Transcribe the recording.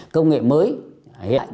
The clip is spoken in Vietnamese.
công nghệ mới